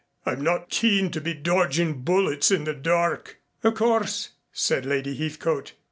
I'm not keen to be dodgin' bullets in the dark." "Of course," said Lady Heathcote.